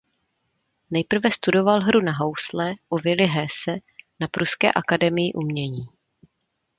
Nejprve studoval hru na housle u Willy Hesse na Pruské akademii umění.